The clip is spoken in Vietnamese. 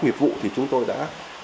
nghiệp vụ thì chúng tôi đã